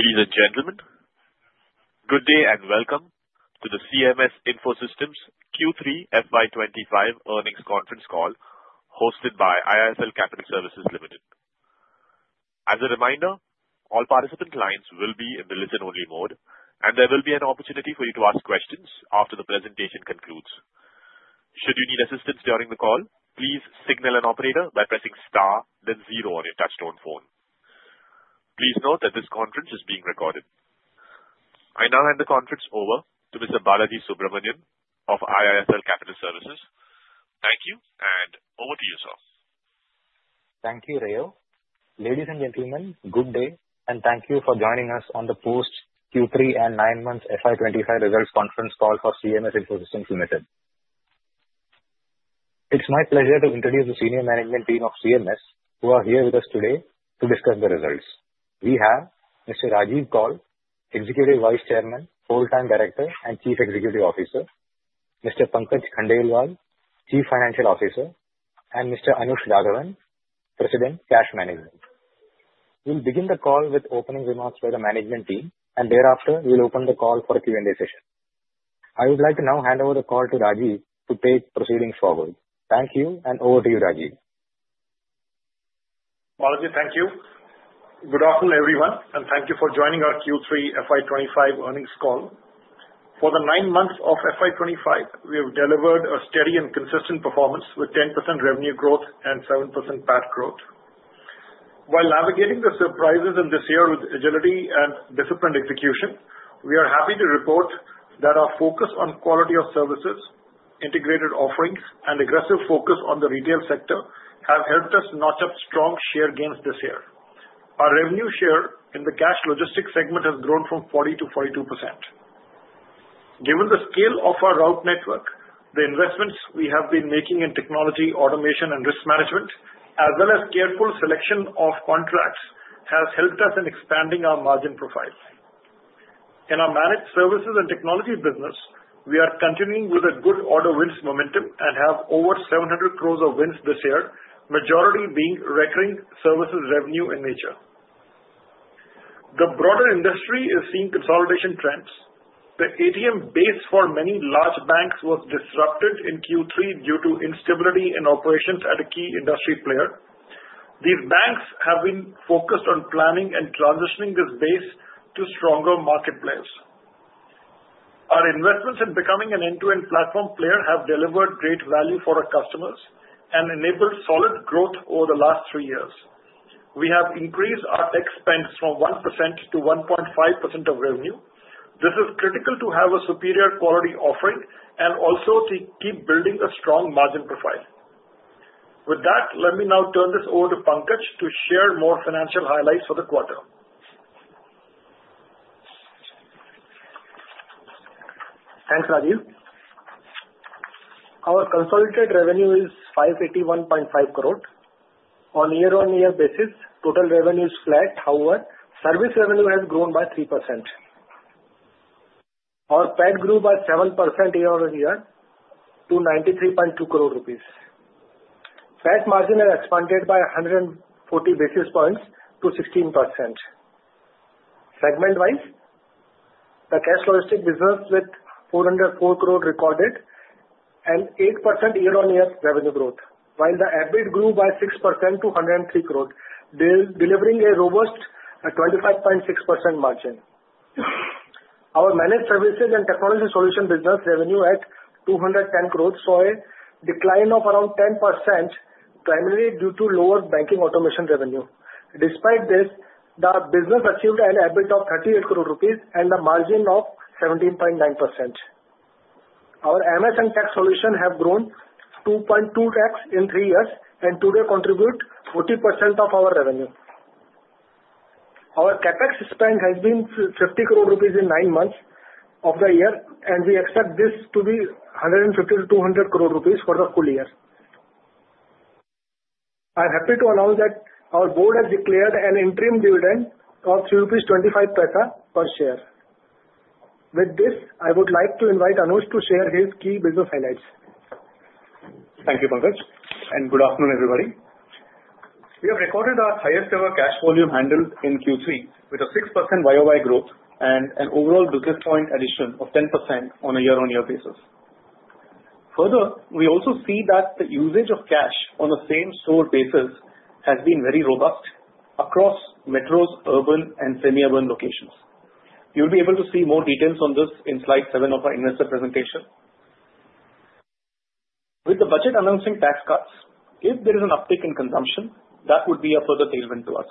Ladies and gentlemen, good day and welcome to the CMS Info Systems Q3 FY25 earnings conference call hosted by IIFL Securities Limited. As a reminder, all participant lines will be in the listen-only mode, and there will be an opportunity for you to ask questions after the presentation concludes. Should you need assistance during the call, please signal an operator by pressing star, then zero on your touch-tone phone. Please note that this conference is being recorded. I now hand the conference over to Mr. Balaji Subramanian of IIFL Securities. Thank you, and over to you, sir. Thank you, Rayo. Ladies and gentlemen, good day, and thank you for joining us on the post-Q3 and nine-month FY25 results conference call for CMS Info Systems Limited. It's my pleasure to introduce the senior management team of CMS who are here with us today to discuss the results. We have Mr. Rajiv Kaul, Executive Vice Chairman, Full-Time Director, and Chief Executive Officer. Mr. Pankaj Khandelwal, Chief Financial Officer. And Mr. Anush Raghavan, President, Cash Management. We'll begin the call with opening remarks by the management team, and thereafter, we'll open the call for a Q&A session. I would like to now hand over the call to Rajiv to take proceedings forward. Thank you, and over to you, Rajiv. Balaji, thank you. Good afternoon, everyone, and thank you for joining our Q3 FY25 earnings call. For the nine months of FY25, we have delivered a steady and consistent performance with 10% revenue growth and 7% PAT growth. While navigating the surprises in this year with agility and disciplined execution, we are happy to report that our focus on quality of services, integrated offerings, and aggressive focus on the retail sector have helped us notch up strong share gains this year. Our revenue share in the cash logistics segment has grown from 40%-42%. Given the scale of our route network, the investments we have been making in technology, automation, and risk management, as well as careful selection of contracts, have helped us in expanding our margin profile. In our Managed Services and Technology business, we are continuing with a good order wins momentum and have over ₹700 crore of wins this year, the majority being recurring services revenue in nature. The broader industry is seeing consolidation trends. The ATM base for many large banks was disrupted in Q3 due to instability in operations at a key industry player. These banks have been focused on planning and transitioning this base to stronger market players. Our investments in becoming an end-to-end platform player have delivered great value for our customers and enabled solid growth over the last three years. We have increased our tech spend from 1% to 1.5% of revenue. This is critical to have a superior quality offering and also to keep building a strong margin profile. With that, let me now turn this over to Pankaj to share more financial highlights for the quarter. Thanks, Rajiv. Our consolidated revenue is 581.5 crore. On a year-on-year basis, total revenue is flat. However, service revenue has grown by 3%. Our PAT grew by 7% year-on-year to 93.2 crore rupees. PAT margin has expanded by 140 basis points to 16%. Segment-wise, the cash logistics business with 404 crore recorded an 8% year-on-year revenue growth, while the EBIT grew by 6% to 103 crore, delivering a robust 25.6% margin. Our Managed Services and Technology solution business revenue at 210 crore saw a decline of around 10%, primarily due to lower Banking Automation revenue. Despite this, the business achieved an EBIT of 38 crore rupees and a margin of 17.9%. Our MS and tech solutions have grown 2.2x in three years and today contribute 40% of our revenue. Our CapEx spend has been 50 crore rupees in nine months of the year, and we expect this to be 150-200 crore rupees for the full year. I'm happy to announce that our board has declared an interim dividend of INR 25 per share. With this, I would like to invite Anush to share his key business highlights. Thank you, Pankaj, and good afternoon, everybody. We have recorded our highest-ever cash volume handled in Q3 with a 6% YOY growth and an overall business point addition of 10% on a year-on-year basis. Further, we also see that the usage of cash on the same store basis has been very robust across metros, urban, and semi-urban locations. You'll be able to see more details on this in slide seven of our investor presentation. With the budget announcing tax cuts, if there is an uptick in consumption, that would be a further tailwind to us.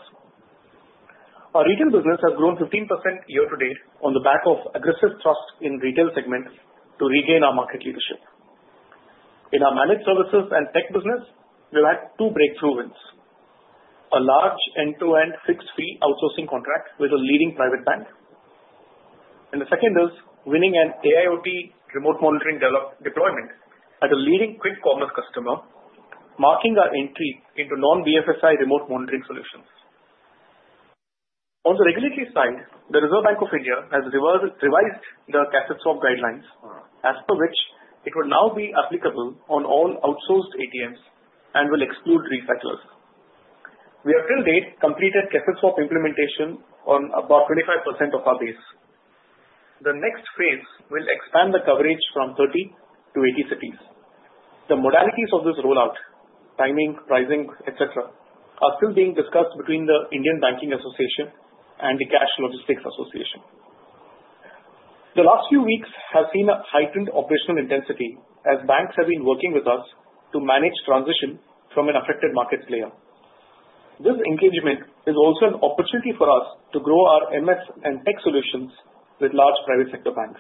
Our retail business has grown 15% year-to-date on the back of aggressive thrust in the retail segment to regain our market leadership. In our managed services and tech business, we've had two breakthrough wins: a large end-to-end fixed fee outsourcing contract with a leading private bank, and the second is winning an AIoT remote monitoring deployment at a leading quick commerce customer, marking our entry into non-BFSI remote monitoring solutions. On the regulatory side, the Reserve Bank of India has revised the Cassette Swap guidelines, as per which it will now be applicable on all outsourced ATMs and will exclude resellers. We have till date completed cassette swap implementation on about 25% of our base. The next phase will expand the coverage from 30 to 80 cities. The modalities of this rollout (timing, pricing, etc.) are still being discussed between the Indian Banks' Association and the Cash Logistics Association. The last few weeks have seen a heightened operational intensity as banks have been working with us to manage transition from an affected market player. This engagement is also an opportunity for us to grow our MS and tech solutions with large private sector banks.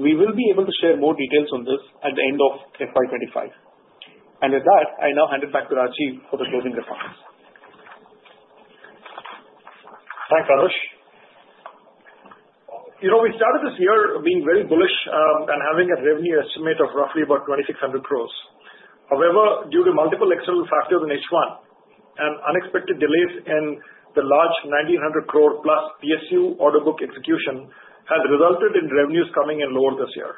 We will be able to share more details on this at the end of FY25. And with that, I now hand it back to Rajiv for the closing remarks. Thanks, Anush. We started this year being very bullish and having a revenue estimate of roughly about 2,600 crores. However, due to multiple external factors in H1 and unexpected delays in the large 1,900 crore plus PSU order book execution, it has resulted in revenues coming in lower this year.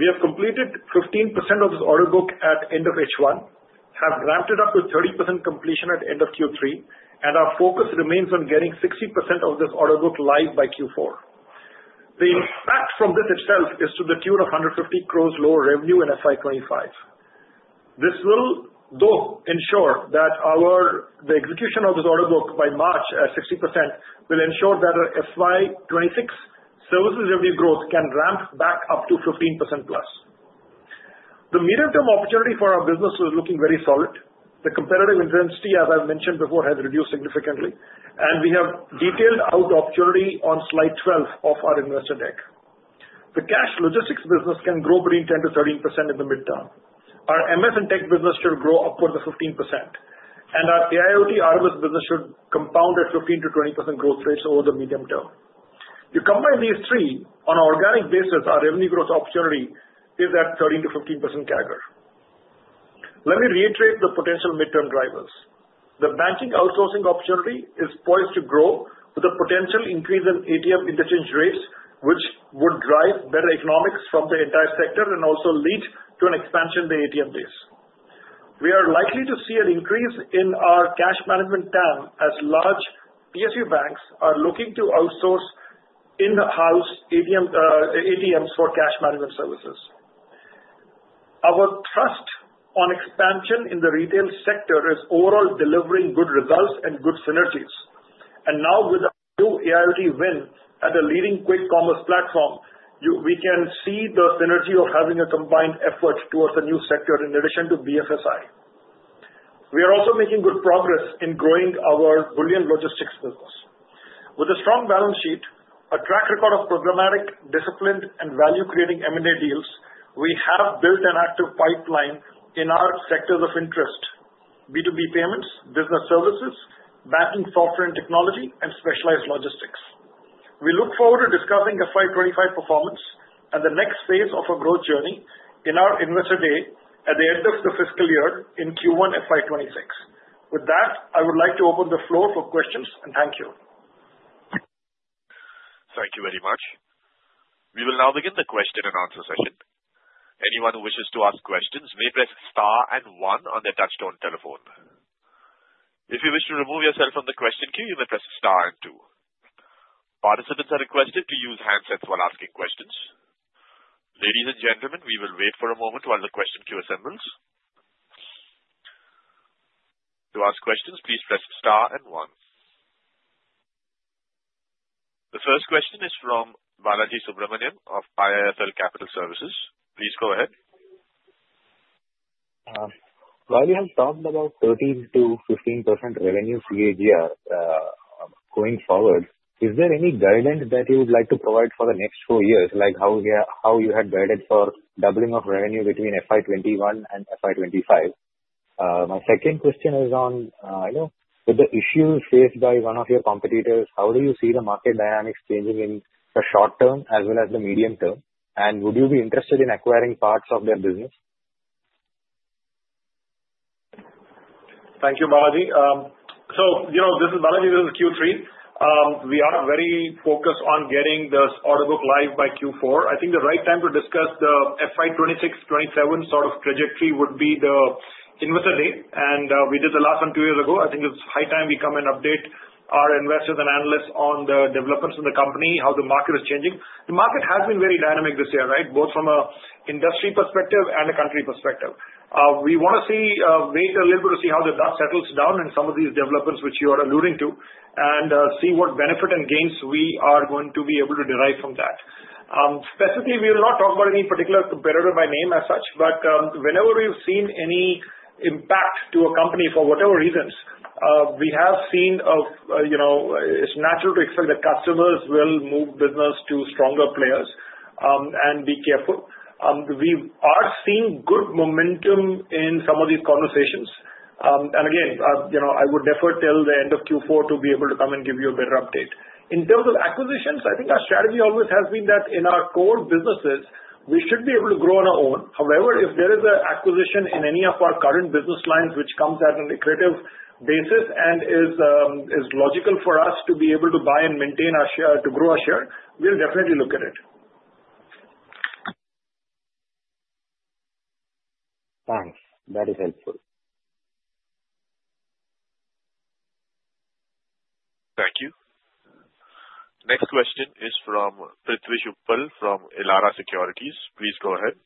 We have completed 15% of this order book at the end of H1, have ramped it up to 30% completion at the end of Q3, and our focus remains on getting 60% of this order book live by Q4. The impact from this itself is to the tune of 150 crores lower revenue in FY25. This will, though, ensure that the execution of this order book by March at 60% will ensure that our FY26 services revenue growth can ramp back up to 15% plus. The medium-term opportunity for our business is looking very solid. The competitive intensity, as I've mentioned before, has reduced significantly, and we have detailed out opportunity on slide 12 of our investor deck. The cash logistics business can grow between 10%-13% in the midterm. Our MS and tech business should grow upwards of 15%, and our AIoT RMS business should compound at 15%-20% growth rates over the medium term. You combine these three on an organic basis, our revenue growth opportunity is at 13%-15% CAGR. Let me reiterate the potential midterm drivers. The banking outsourcing opportunity is poised to grow with a potential increase in ATM interchange rates, which would drive better economics from the entire sector and also lead to an expansion in the ATM base. We are likely to see an increase in our cash management TAM as large PSU banks are looking to outsource in-house ATMs for cash management services. Our trust on expansion in the retail sector is overall delivering good results and good synergies, and now, with a new AIoT win at a leading quick commerce platform, we can see the synergy of having a combined effort towards a new sector in addition to BFSI. We are also making good progress in growing our bullion logistics business. With a strong balance sheet, a track record of programmatic, disciplined, and value-creating M&A deals, we have built an active pipeline in our sectors of interest: B2B payments, business services, banking software and technology, and specialized logistics. We look forward to discussing FY25 performance and the next phase of our growth journey in our investor day at the end of the fiscal year in Q1 FY26. With that, I would like to open the floor for questions, and thank you. Thank you very much. We will now begin the question and answer session. Anyone who wishes to ask questions may press star and one on their touch-tone telephone. If you wish to remove yourself from the question queue, you may press star and two. Participants are requested to use handsets while asking questions. Ladies and gentlemen, we will wait for a moment while the question queue assembles. To ask questions, please press star and one. The first question is from Balaji Subramanian of IIFL Securities. Please go ahead. Rajiv, you have talked about 13%-15% revenue CAGR going forward. Is there any guidance that you would like to provide for the next four years, like how you had guided for doubling of revenue between FY21 and FY25? My second question is on the issues faced by one of your competitors. How do you see the market dynamics changing in the short term as well as the medium term? And would you be interested in acquiring parts of their business? Thank you, Balaji. So this is Balaji. This is Q3. We are very focused on getting this order book live by Q4. I think the right time to discuss the FY26, '27 sort of trajectory would be the investor day, and we did the last one two years ago. I think it's high time we come and update our investors and analysts on the developments in the company, how the market is changing. The market has been very dynamic this year, right, both from an industry perspective and a country perspective. We want to wait a little bit to see how the dust settles down in some of these developments which you are alluding to and see what benefit and gains we are going to be able to derive from that. Specifically, we will not talk about any particular competitor by name as such, but whenever we've seen any impact to a company for whatever reasons, we have seen, it's natural to expect that customers will move business to stronger players and be careful. We are seeing good momentum in some of these conversations. And again, I would defer till the end of Q4 to be able to come and give you a better update. In terms of acquisitions, I think our strategy always has been that in our core businesses, we should be able to grow on our own. However, if there is an acquisition in any of our current business lines which comes at an attractive basis and is logical for us to be able to buy and maintain our share to grow our share, we'll definitely look at it. Thanks. That is helpful. Thank you. Next question is from Prithvish Uppal from Elara Securities. Please go ahead.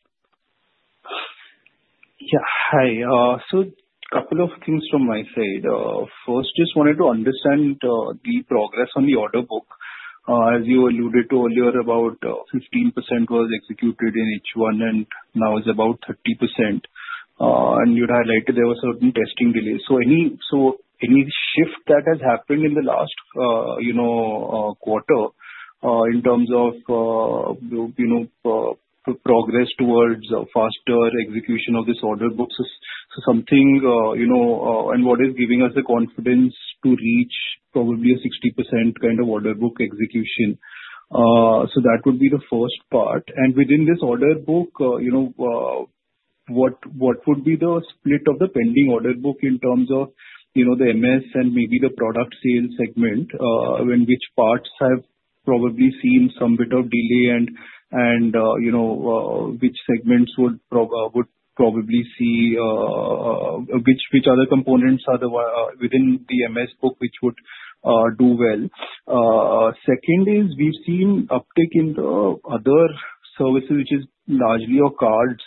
Yeah. Hi. So a couple of things from my side. First, just wanted to understand the progress on the order book. As you alluded to earlier about 15% was executed in H1, and now it's about 30%. And you'd highlighted there was a certain testing delay. So any shift that has happened in the last quarter in terms of progress towards faster execution of this order book? So something and what is giving us the confidence to reach probably a 60% kind of order book execution. So that would be the first part. And within this order book, what would be the split of the pending order book in terms of the MS and maybe the product sales segment, which parts have probably seen some bit of delay and which segments would probably see which other components are within the MS book which would do well? Second is we've seen uptake in the other services, which is largely our cards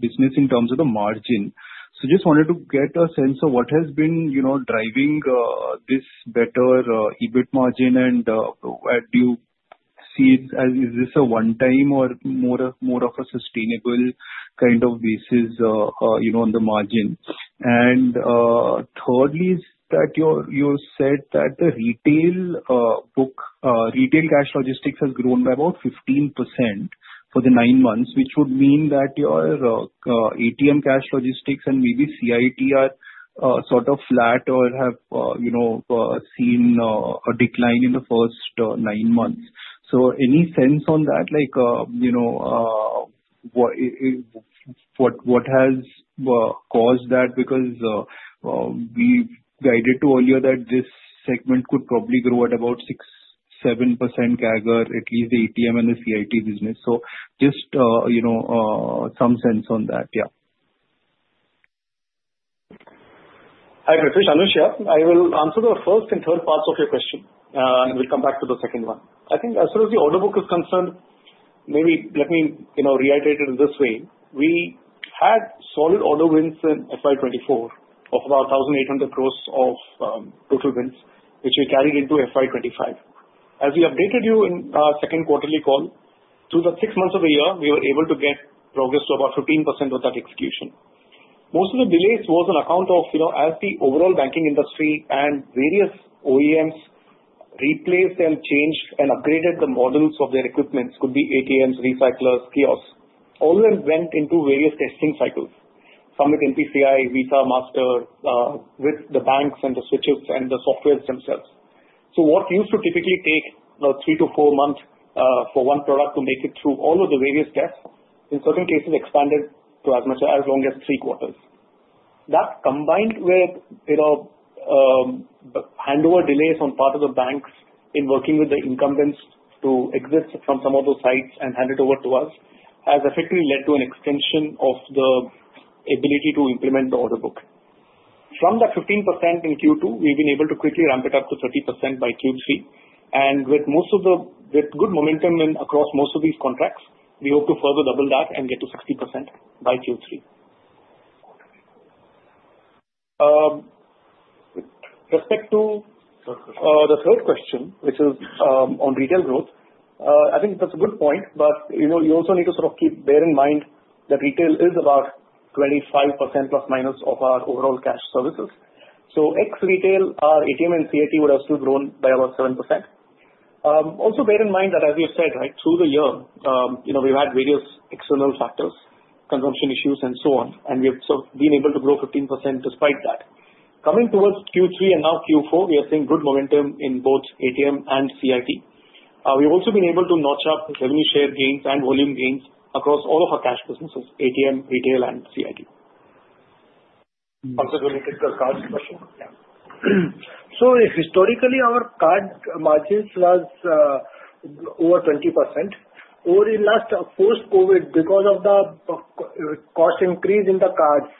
business in terms of the margin. So just wanted to get a sense of what has been driving this better EBIT margin and what do you see it as? Is this a one-time or more of a sustainable kind of basis on the margin? And thirdly is that you said that the retail cash logistics has grown by about 15% for the nine months, which would mean that your ATM cash logistics and maybe CIT are sort of flat or have seen a decline in the first nine months. So any sense on that? What has caused that? Because we guided to earlier that this segment could probably grow at about 6-7% CAGR, at least the ATM and the CIT business. So just some sense on that, yeah. Hi, Prithvish Uppal. Yeah, I will answer the first and third parts of your question, and we'll come back to the second one. I think as far as the order book is concerned, maybe let me reiterate it this way. We had solid order wins in FY24 of about 1,800 crore of total wins, which we carried into FY25. As we updated you in our second quarterly call, through the six months of the year, we were able to get progress to about 15% of that execution. Most of the delays was on account of, as the overall banking industry and various OEMs replaced and changed and upgraded the models of their equipment, could be ATMs, recyclers, kiosks, all of them went into various testing cycles, some with NPCI, Visa, Master, with the banks and the switches and the softwares themselves. What used to typically take three to four months for one product to make it through all of the various tests, in certain cases, expanded to as long as three quarters. That combined with the handover delays on the part of the banks in working with the incumbents to exit from some of those sites and hand it over to us has effectively led to an extension of the ability to implement the order book. From that 15% in Q2, we've been able to quickly ramp it up to 30% by Q3. With good momentum across most of these contracts, we hope to further double that and get to 60% by Q3. respect to the third question, which is on retail growth, I think that's a good point, but you also need to sort of bear in mind that retail is about 25% plus minus of our overall cash services. So ex-retail, our ATM and CIT would have still grown by about 7%. Also bear in mind that, as you said, right through the year, we've had various external factors, consumption issues, and so on, and we've sort of been able to grow 15% despite that. Coming towards Q3 and now Q4, we are seeing good momentum in both ATM and CIT. We've also been able to notch up revenue share gains and volume gains across all of our cash businesses, ATM, retail, and CIT. Pankaj will you take the cards question? Yeah. So historically, our card margins was over 20%. Over the last post-COVID, because of the cost increase in the cards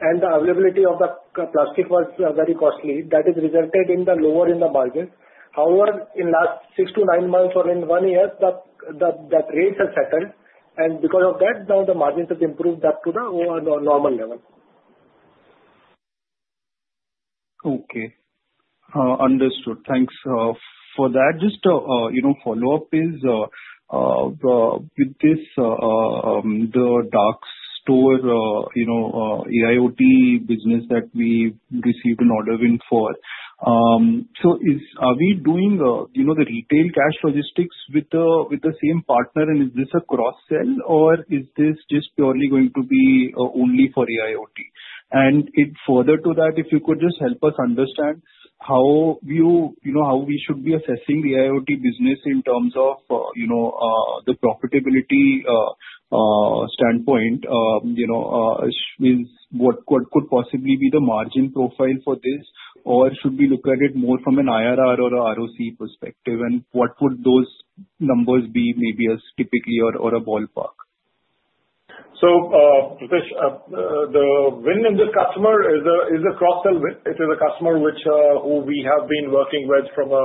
and the availability of the plastic was very costly, that has resulted in the lower in the margins. However, in the last six to nine months or in one year, that rate has settled, and because of that, now the margins have improved back to the normal level. Okay. Understood. Thanks for that. Just a follow-up is with this, the dark store AIoT business that we received an order win for. So are we doing the retail cash logistics with the same partner, and is this a cross-sell, or is this just purely going to be only for AIoT? And further to that, if you could just help us understand how we should be assessing the AIoT business in terms of the profitability standpoint, what could possibly be the margin profile for this, or should we look at it more from an IRR or ROC perspective, and what would those numbers be maybe as typically or a ballpark? Prithvish Uppal, the win in this customer is a cross-sell win. It is a customer who we have been working with from a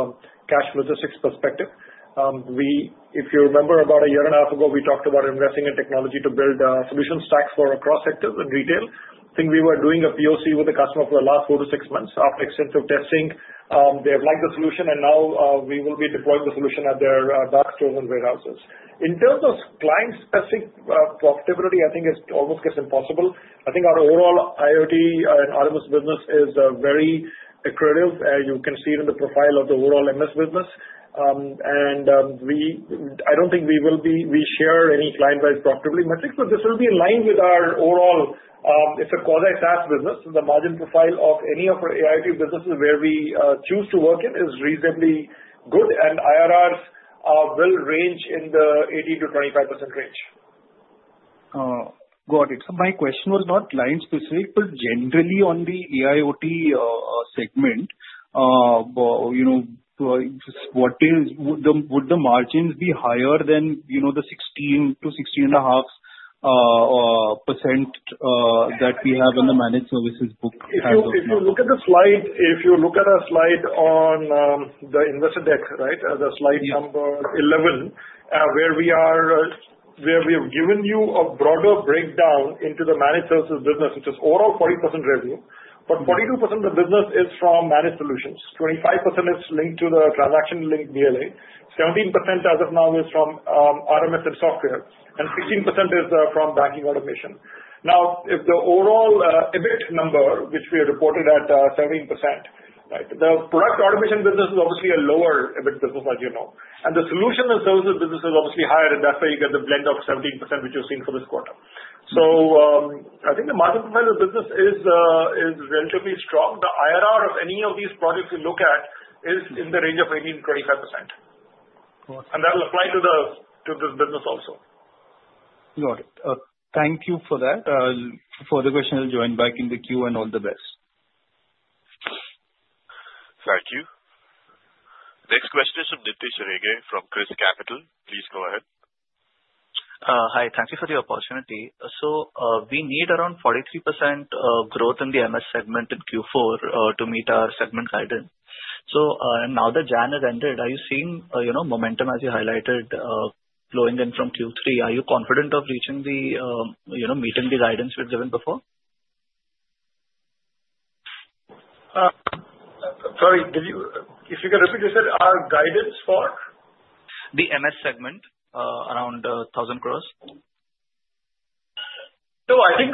cash logistics perspective. If you remember, about a year and a half ago, we talked about investing in technology to build solution stacks for across sectors in retail. I think we were doing a POC with the customer for the last four to six months. After extensive testing, they have liked the solution, and now we will be deploying the solution at their dark stores and warehouses. In terms of client-specific profitability, I think it almost gets impossible. I think our overall IoT and RMS business is very accretive. You can see it in the profile of the overall RMS business. I don't think we will share any client-wise profitability metrics, but this will be in line with our overall. It's a quasi-SaaS business. The margin profile of any of our AIoT businesses where we choose to work in is reasonably good, and IRRs will range in the 18%-25% range. Got it. So my question was not client-specific, but generally on the AIoT segment, would the margins be higher than the 16%-16.5% that we have in the managed services book? If you look at the slide, if you look at our slide on the investor deck, right, the slide number 11, where we have given you a broader breakdown into the managed services business, which is overall 40% revenue, but 42% of the business is from managed solutions. 25% is linked to the transaction linked BLA. 17% as of now is from RMS and software, and 15% is from banking automation. Now, if the overall EBIT number, which we have reported at 17%, right, the product automation business is obviously a lower EBIT business, as you know. And the solution and services business is obviously higher, and that's why you get the blend of 17%, which you've seen for this quarter. So I think the market profile of the business is relatively strong. The IRR of any of these products we look at is in the range of 18%-25%. And that will apply to this business also. Got it. Thank you for that. Further questions will join back in the queue, and all the best. Thank you. Next question is from Nitish Rege from ChrysCapital. Please go ahead. Hi. Thank you for the opportunity. So we need around 43% growth in the MS segment in Q4 to meet our segment guidance. So now that January has ended, are you seeing momentum, as you highlighted, flowing in from Q3? Are you confident of meeting the guidance we've given before? Sorry, if you can repeat, you said our guidance for? The MS segment around 1,000 crores? No, I think,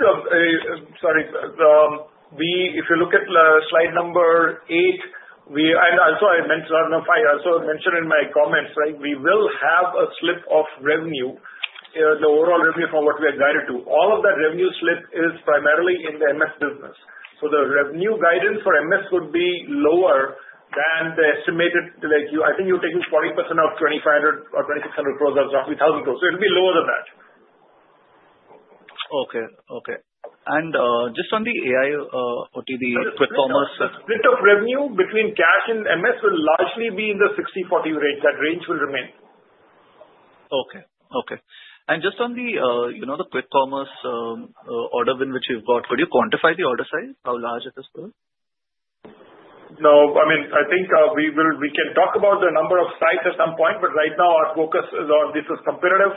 sorry. If you look at slide number eight, and also I mentioned in my comments, right, we will have a slip of revenue, the overall revenue from what we are guided to. All of that revenue slip is primarily in the MS business. So the revenue guidance for MS would be lower than the estimated. I think you're taking 40% of 2,500 crores or 2,600 crores or 1,000 crores. So it'll be lower than that. Okay. Okay. And just on the AIoT, the quick commerce. The split of revenue between cash and MS will largely be in the 60/40 range. That range will remain. Okay. And just on the quick commerce order win which you've got, could you quantify the order size? How large it is? No. I mean, I think we can talk about the number of sites at some point, but right now, our focus is on this is comparative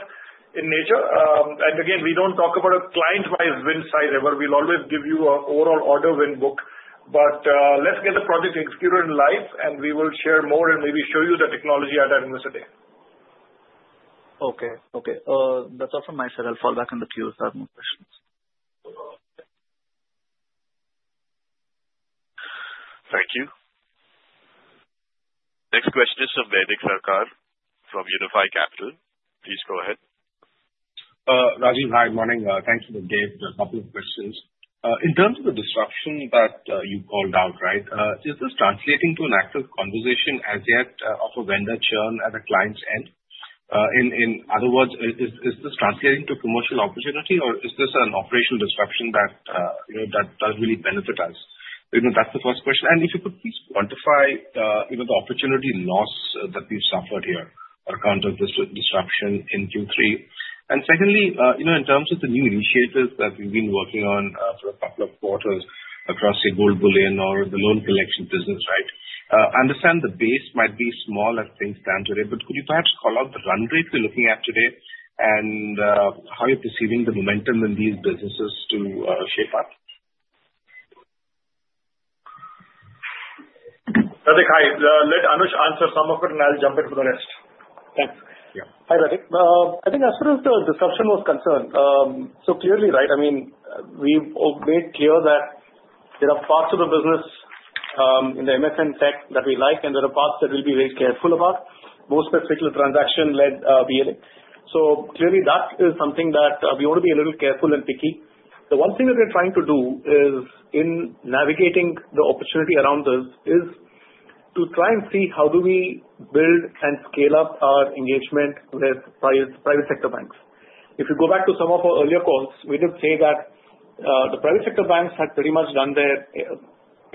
in nature. And again, we don't talk about a client-wise win size ever. We'll always give you an overall order win book. But let's get the project executed in life, and we will share more and maybe show you the technology at our investor day. Okay. Okay. That's all from my side. I'll fall back on the queue if I have more questions. Thank you. Next question is from Baidik Sarkar from Unifi Capital. Please go ahead. Rajiv, hi. Morning. Thanks for the gift. A couple of questions. In terms of the disruption that you called out, right, is this translating to an active conversation as yet of a vendor churn at a client's end? In other words, is this translating to a commercial opportunity, or is this an operational disruption that does really benefit us? That's the first question. And if you could please quantify the opportunity loss that we've suffered here on account of this disruption in Q3. And secondly, in terms of the new initiatives that we've been working on for a couple of quarters across the gold bullion or the loan collection business, right, I understand the base might be small at things stand today, but could you perhaps call out the run rate you're looking at today and how you're perceiving the momentum in these businesses to shape up? Baidik, hi. Let Anush answer some of it, and I'll jump in for the rest. Thanks. Hi, Baidik. I think as far as the disruption was concerned, so clearly, right, I mean, we've made clear that there are parts of the business in the MS and tech that we like, and there are parts that we'll be very careful about, most particularly transaction-led BLA. So clearly, that is something that we want to be a little careful and picky. The one thing that we're trying to do in navigating the opportunity around this is to try and see how do we build and scale up our engagement with private sector banks. If you go back to some of our earlier calls, we did say that the private sector banks had pretty much done their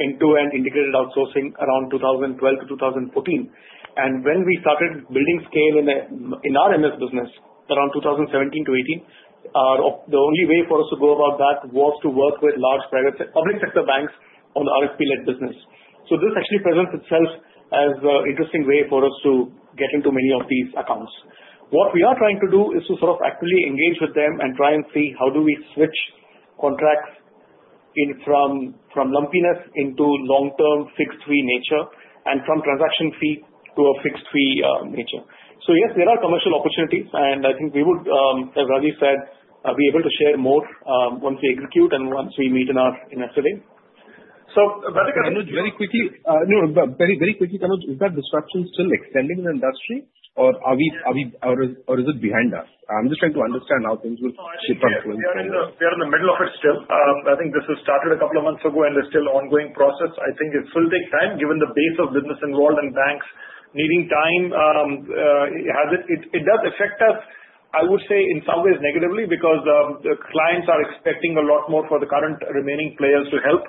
end-to-end integrated outsourcing around 2012-2014. When we started building scale in our MS business around 2017 to 2018, the only way for us to go about that was to work with large public sector banks on the RFP-led business. So this actually presents itself as an interesting way for us to get into many of these accounts. What we are trying to do is to sort of actively engage with them and try and see how do we switch contracts from lumpiness into long-term fixed fee nature and from transaction fee to a fixed fee nature. So yes, there are commercial opportunities, and I think we would, as Rajiv said, be able to share more once we execute and once we meet in our investor day. So Baidik. Anush, very quickly. No, very quickly, Anush, is that disruption still extending in the industry, or is it behind us? I'm just trying to understand how things will shift on. We're in the middle of it still. I think this has started a couple of months ago, and it's still an ongoing process. I think it still takes time given the base of business involved and banks needing time. It does affect us, I would say, in some ways negatively because the clients are expecting a lot more for the current remaining players to help.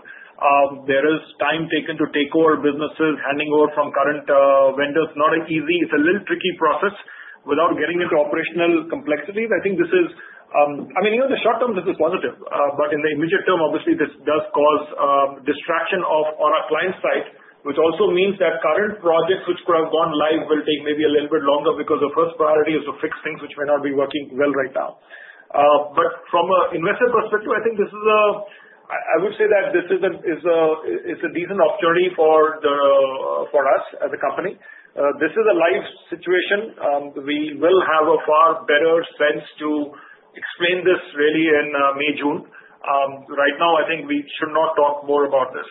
There is time taken to take over businesses, handing over from current vendors. It's not an easy, it's a little tricky process. Without getting into operational complexities, I think this is, I mean, in the short term, this is positive. But in the immediate term, obviously, this does cause distraction on our client side, which also means that current projects which could have gone live will take maybe a little bit longer because the first priority is to fix things which may not be working well right now. But from an investor perspective, I think this is a, I would say that this is a decent opportunity for us as a company. This is a live situation. We will have a far better sense to explain this really in May, June. Right now, I think we should not talk more about this.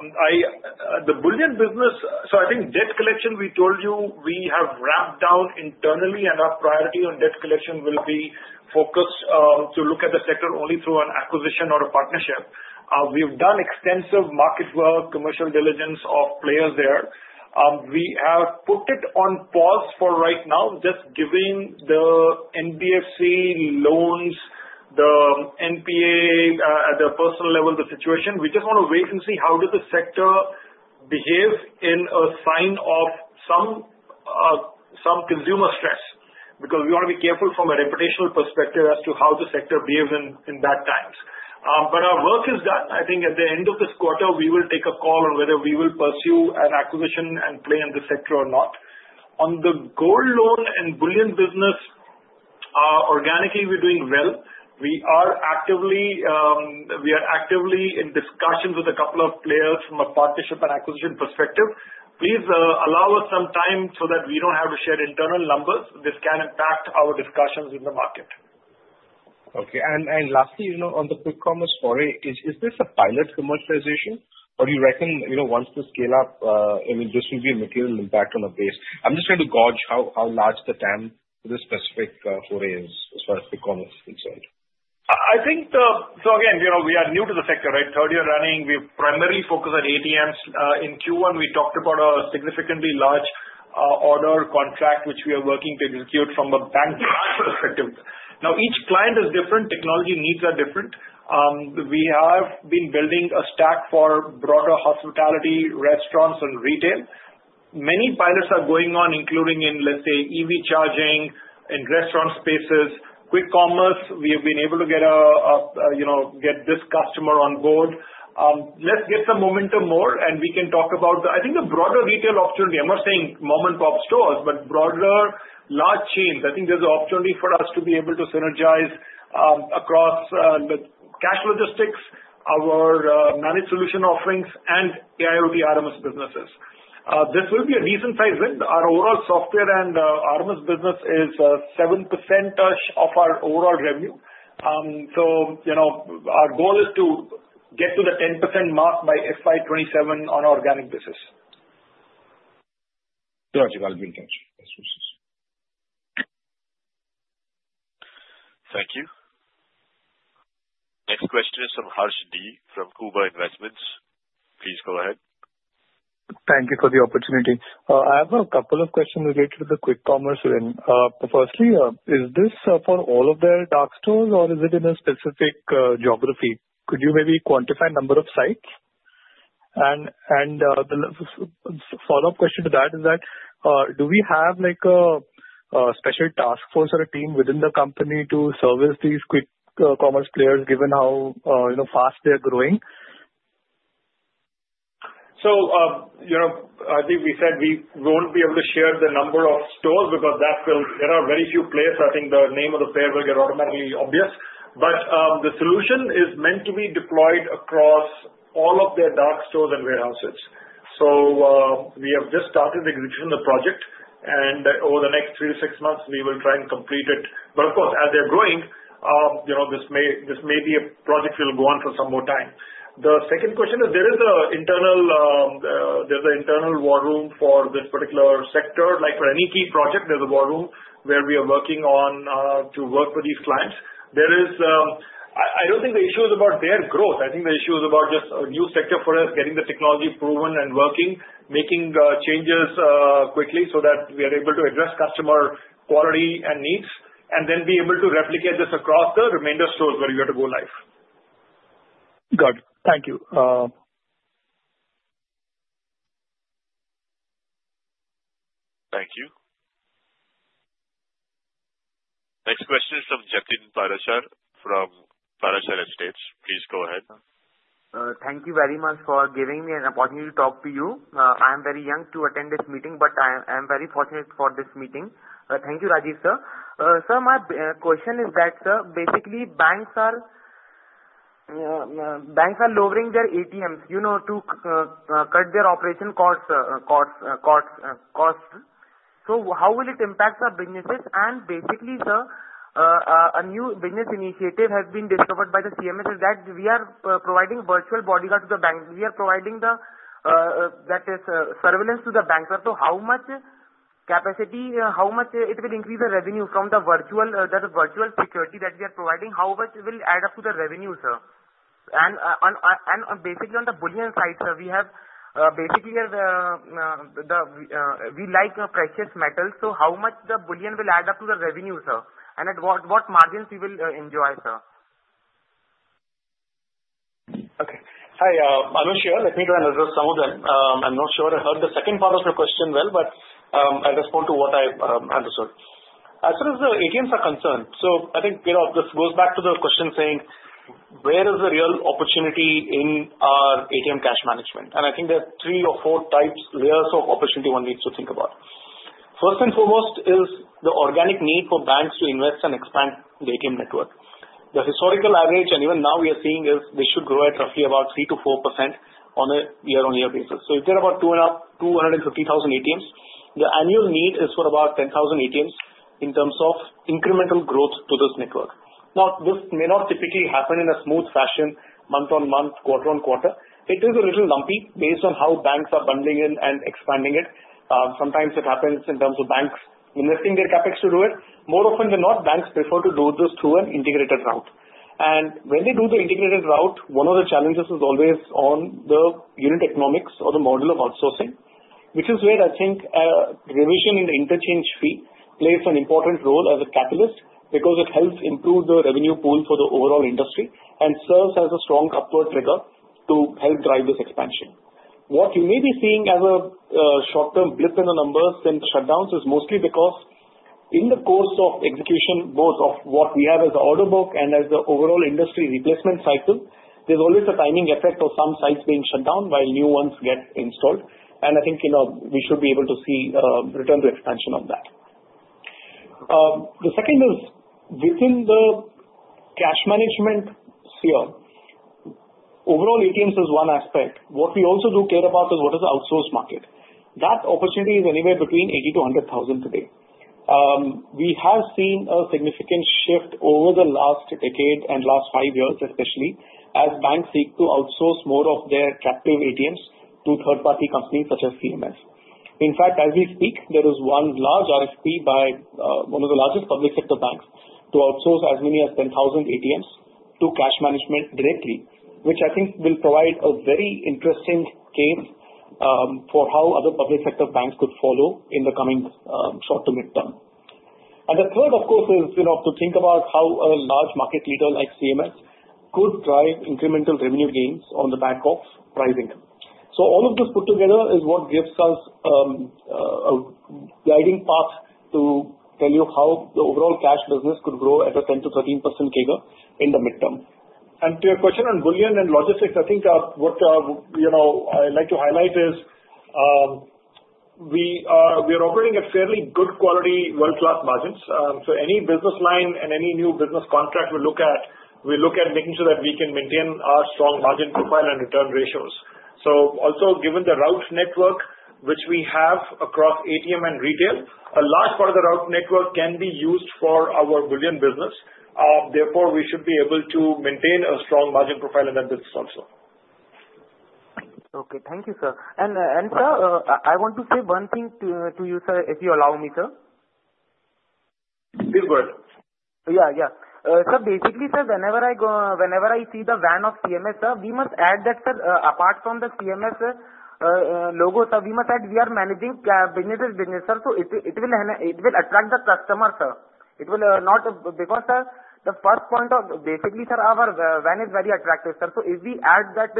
The bullion business, so I think debt collection, we told you we have ramped down internally, and our priority on debt collection will be focused to look at the sector only through an acquisition or a partnership. We've done extensive market work, commercial diligence of players there. We have put it on pause for right now, just giving the NBFC loans, the NPA at the personal level, the situation. We just want to wait and see how does the sector behave in a sign of some consumer stress because we want to be careful from a reputational perspective as to how the sector behaves in bad times. But our work is done. I think at the end of this quarter, we will take a call on whether we will pursue an acquisition and play in the sector or not. On the gold loan and bullion business, organically, we're doing well. We are actively in discussions with a couple of players from a partnership and acquisition perspective. Please allow us some time so that we don't have to share internal numbers. This can impact our discussions in the market. Okay. And lastly, on the quick commerce foray, is this a pilot commercialization, or do you reckon once we scale up, I mean, this will be a material impact on the base? I'm just trying to gauge how large the TAM for this specific foray is as far as quick commerce is concerned. So again, we are new to the sector, right? Third year running. We've primarily focused on ATMs. In Q1, we talked about a significantly large order contract, which we are working to execute from a bank perspective. Now, each client is different. Technology needs are different. We have been building a stack for broader hospitality, restaurants, and retail. Many pilots are going on, including in, let's say, EV charging in restaurant spaces. quick commerce, we have been able to get this customer on board. Let's get some momentum more, and we can talk about the, I think, the broader retail opportunity. I'm not saying mom-and-pop stores, but broader large chains. I think there's an opportunity for us to be able to synergize across the cash logistics, our managed solution offerings, and AIoT RMS businesses. This will be a decent-sized win. Our overall software and RMS business is 7%-ish of our overall revenue. So our goal is to get to the 10% mark by FY27 on an organic basis. Gotcha. I'll bring that. Thank you. Next question is from Harsh D from Kuber Investments. Please go ahead. Thank you for the opportunity. I have a couple of questions related to the quick commerce win. Firstly, is this for all of their dark stores, or is it in a specific geography? Could you maybe quantify the number of sites? And the follow-up question to that is that do we have a special task force or a team within the company to service these quick commerce players given how fast they're growing? So I think we said we won't be able to share the number of stores because there are very few players. I think the name of the player will get automatically obvious. But the solution is meant to be deployed across all of their dark stores and warehouses. So we have just started executing the project, and over the next three to six months, we will try and complete it. But of course, as they're growing, this may be a project that will go on for some more time. The second question is there is an internal war room for this particular sector. Like for any key project, there's a war room where we are working on to work with these clients. I don't think the issue is about their growth. I think the issue is about just a new sector for us, getting the technology proven and working, making changes quickly so that we are able to address customer quality and needs, and then be able to replicate this across the remainder stores where you have to go live. Got it. Thank you. Thank you. Next question is from Jatin Parashar from Parashar Estates. Please go ahead. Thank you very much for giving me an opportunity to talk to you. I am very young to attend this meeting, but I am very fortunate for this meeting. Thank you, Rajiv sir. Sir, my question is that, sir, basically, banks are lowering their ATMs to cut their operation costs. So how will it impact our businesses? And basically, sir, a new business initiative has been discovered by the CMS that we are providing virtual bodyguard to the bank. We are providing the, that is, surveillance to the bank. So how much capacity, how much it will increase the revenue from the virtual security that we are providing? How much will add up to the revenue, sir? And basically, on the bullion side, sir, we have basically the, we like precious metals. So how much the bullion will add up to the revenue, sir? At what margins we will enjoy, sir? Okay. Hi, Anush here. Let me try and address some of them. I'm not sure I heard the second part of your question well, but I'll respond to what I understood. As far as the ATMs are concerned, so I think this goes back to the question saying, where is the real opportunity in our ATM cash management? And I think there are three or four types, layers of opportunity one needs to think about. First and foremost is the organic need for banks to invest and expand the ATM network. The historical average, and even now we are seeing, is this should grow at roughly about 3%-4% on a year-on-year basis. So if there are about 250,000 ATMs, the annual need is for about 10,000 ATMs in terms of incremental growth to this network. Now, this may not typically happen in a smooth fashion, month on month, quarter on quarter. It is a little lumpy based on how banks are bundling in and expanding it. Sometimes it happens in terms of banks investing their CapEx to do it. More often than not, banks prefer to do this through an integrated route. And when they do the integrated route, one of the challenges is always on the unit economics or the model of outsourcing, which is where I think revision and interchange fee plays an important role as a catalyst because it helps improve the revenue pool for the overall industry and serves as a strong upward trigger to help drive this expansion. What you may be seeing as a short-term blip in the numbers and the shutdowns is mostly because in the course of execution, both of what we have as an order book and as the overall industry replacement cycle, there's always a timing effect of some sites being shut down while new ones get installed. And I think we should be able to see return to expansion on that. The second is within the cash management sphere. Overall ATMs is one aspect. What we also do care about is what is the outsourced market. That opportunity is anywhere between 80 to 100,000 today. We have seen a significant shift over the last decade and last five years, especially as banks seek to outsource more of their captive ATMs to third-party companies such as CMS. In fact, as we speak, there is one large RFP by one of the largest public sector banks to outsource as many as 10,000 ATMs to cash management directly, which I think will provide a very interesting case for how other public sector banks could follow in the coming short to midterm, and the third, of course, is to think about how a large market leader like CMS could drive incremental revenue gains on the back of pricing, so all of this put together is what gives us a guiding path to tell you how the overall cash business could grow at a 10%-13% CAGR in the midterm. And to your question on bullion and logistics, I think what I'd like to highlight is we are operating at fairly good quality, world-class margins. So any business line and any new business contract we look at, we look at making sure that we can maintain our strong margin profile and return ratios. So also, given the route network which we have across ATM and retail, a large part of the route network can be used for our bullion business. Therefore, we should be able to maintain a strong margin profile in that business also. Okay. Thank you, sir. And sir, I want to say one thing to you, sir, if you allow me, sir. Please go ahead. Yeah, yeah. So basically, sir, whenever I see the van of CMS, sir, we must add that, sir, apart from the CMS logo, sir, we must add we are managing businesses, business, sir. So it will attract the customer, sir. Because the first point of basically, sir, our van is very attractive, sir. So if we add that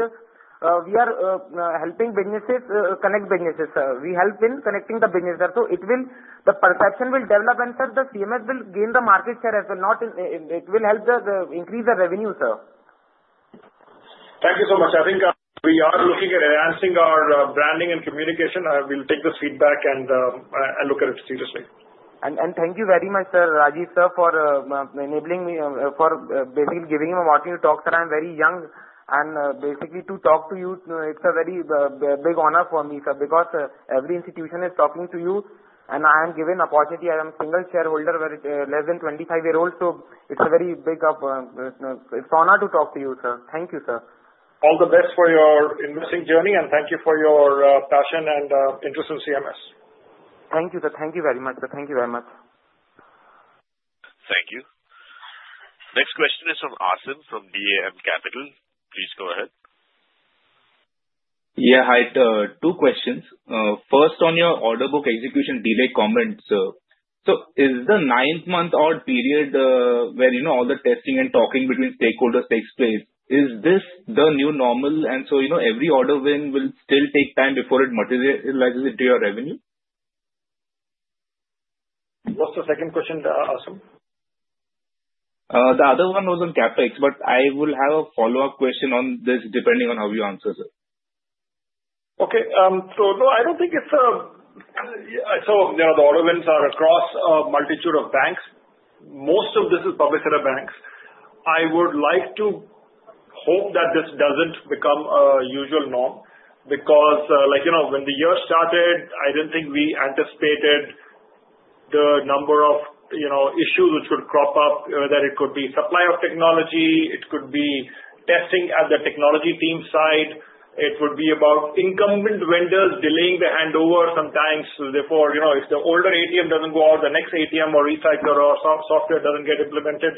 we are helping businesses connect businesses, sir, we help in connecting the business, sir. So the perception will develop, and sir, the CMS will gain the market share as well. It will help increase the revenue, sir. Thank you so much. I think we are looking at enhancing our branding and communication. We'll take this feedback and look at it seriously. Thank you very much, sir, Rajiv sir, for enabling me, for basically giving me an opportunity to talk. Sir, I'm very young. Basically, to talk to you, it's a very big honor for me, sir, because every institution is talking to you, and I am given the opportunity. I am a single shareholder, less than 25 years old, so it's a very big honor to talk to you, sir. Thank you, sir. All the best for your investing journey, and thank you for your passion and interest in CMS. Thank you, sir. Thank you very much, sir. Thank you very much. Thank you. Next question is from Aasim from DAM Capital. Please go ahead. Yeah, hi. Two questions. First, on your order book execution delay comments, sir. So is the ninth month or period where all the testing and talking between stakeholders takes place, is this the new normal? And so every order win will still take time before it materializes into your revenue? What's the second question, Aasim? The other one was on CapEx, but I will have a follow-up question on this depending on how you answer, sir. Okay. No, I don't think it's the order wins are across a multitude of banks. Most of this is public sector banks. I would like to hope that this doesn't become a usual norm because when the year started, I didn't think we anticipated the number of issues which would crop up, whether it could be supply of technology, it could be testing at the technology team side, it would be about incumbent vendors delaying the handover sometimes. Therefore, if the older ATM doesn't go out, the next ATM or recycler or software doesn't get implemented.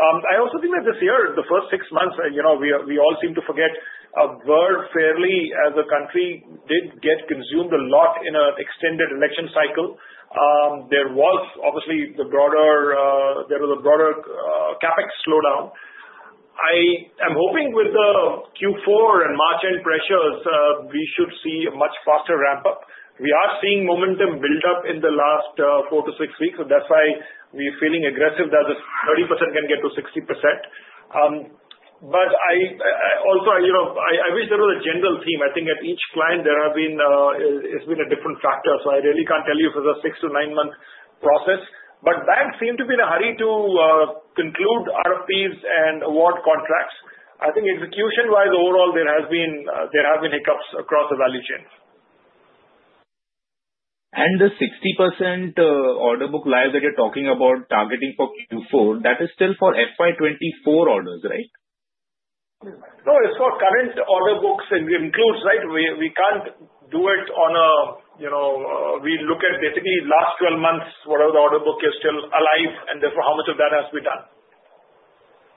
I also think that this year, the first six months, we all seem to forget a word fairly as a country did get consumed a lot in an extended election cycle. There was obviously a broader CapEx slowdown. I am hoping with the Q4 and March-end pressures, we should see a much faster ramp-up. We are seeing momentum build up in the last four to six weeks, and that's why we are feeling aggressive that the 30% can get to 60%. But also, I wish there was a general theme. I think at each client, there has been a different factor, so I really can't tell you if it's a six- to nine-month process. But banks seem to be in a hurry to conclude RFPs and award contracts. I think execution-wise, overall, there have been hiccups across the value chain. The 60% order book live that you're talking about targeting for Q4, that is still for FY24 orders, right? No, it's for current order books and includes, right? We can't do it. We look at basically last 12 months, whatever the order book is still alive, and therefore, how much of that has been done.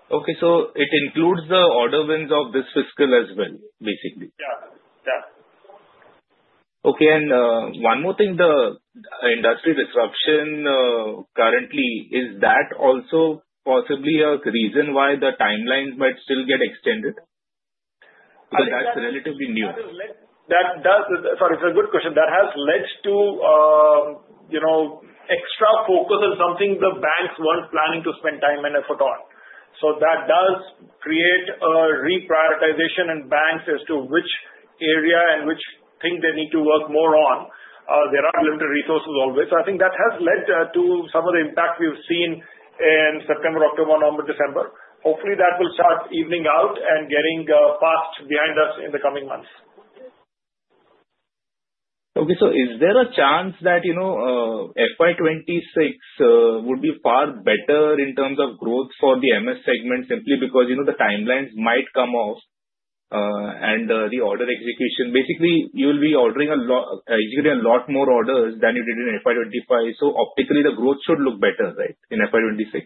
Okay. So it includes the order wins of this fiscal as well, basically. Yeah, yeah. Okay, and one more thing, the industry disruption currently, is that also possibly a reason why the timelines might still get extended? Because that's relatively new. Sorry, it's a good question. That has led to extra focus on something the banks weren't planning to spend time and effort on. So that does create a reprioritization in banks as to which area and which thing they need to work more on. There are limited resources always. So I think that has led to some of the impact we've seen in September, October, November, December. Hopefully, that will start evening out and getting passed behind us in the coming months. Okay. So is there a chance that FY26 would be far better in terms of growth for the MS segment simply because the timelines might come off and the order execution? Basically, you'll be executing a lot more orders than you did in FY25. So optically, the growth should look better, right, in FY26?